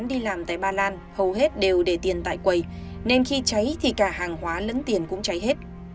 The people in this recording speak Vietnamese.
đi làm tại ba lan hầu hết đều để tiền tại quầy nên khi cháy thì cả hàng hóa lẫn tiền cũng cháy hết